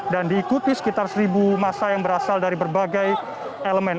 dan diikuti sekitar seribu masa yang berasal dari berbagai elemen